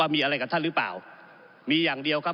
ก็ได้มีการอภิปรายในภาคของท่านประธานที่กรกครับ